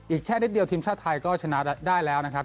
แค่นิดเดียวทีมชาติไทยก็ชนะได้แล้วนะครับ